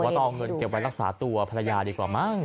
ต้องเอาเงินเก็บไว้รักษาตัวภรรยาดีกว่ามั้ง